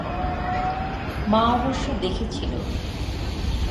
মা অবশ্য দেখেছিলো।